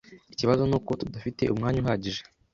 Ikibazo nuko tudafite umwanya uhagije.